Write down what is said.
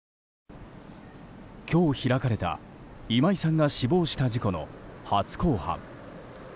今日開かれた今井さんが死亡した事故の初公判。